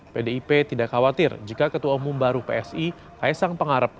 pdip tidak khawatir jika ketua umum baru psi kaisang pengarap